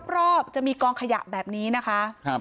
รอบจะมีกองขยะแบบนี้นะคะ